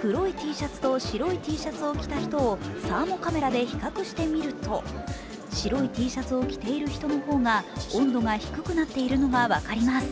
黒いＴシャツと白いＴシャツを着た人をサーモカメラで比較してみると白いＴシャツを着ている人の方が温度が低くなっているのが分かります。